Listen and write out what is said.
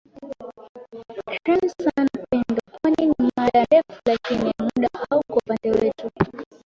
kran sana pendo ponny ni mada ndefu lakini muda hauko upande wetu